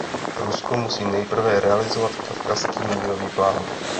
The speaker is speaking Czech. Rusko musí nejprve realizovat kavkazský mírový plán.